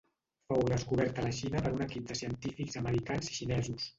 Fou descobert a la Xina per un equip de científics americans i xinesos.